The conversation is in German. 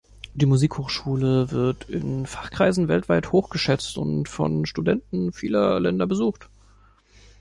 Die Musikhochschule wird in Fachkreisen weltweit hoch geschätzt und von Studenten vieler Länder besucht.